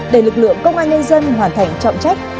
để lực lượng công an nhân dân hoàn thành trọng trách